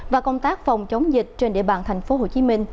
và công tác phòng chống dịch trên địa bàn tp hcm